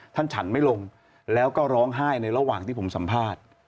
ฉันไม่ลงแล้วก็ร้องไห้ในระหว่างที่ผมสัมภาษณ์